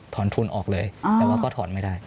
แต่ว่าก็ถอนไม่ได้